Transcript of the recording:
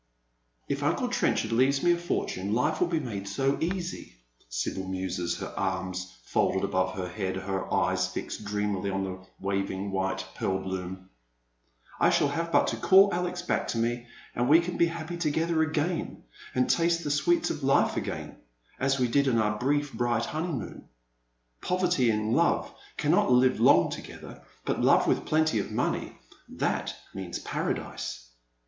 " If uncle Trenchard leaves me a fortune life will be made so <jasy," Sibyl muses, her arras folded above her head, her eyes fixed dreamily on the waving white pearl bloom, " I shall have but to call Alex back to me, and we can be happy together again, and taste the sweets of life again, as we did in our briet bright honeymoon. Poverty and love cannot live long together ; but love with plenty of money — that means paradise."